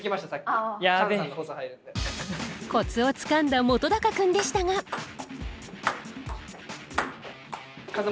コツをつかんだ本君でしたがカンさん